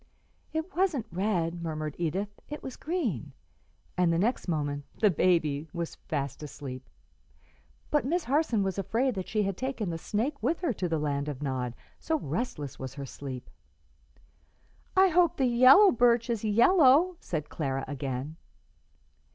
"It wasn't red," murmured Edith; "it was green;" and the next moment "the baby" was fast asleep, but Miss Harson was afraid that she had taken the snake with her to the land of Nod, so restless was her sleep. "I hope the yellow birch is yellow," said Clara again.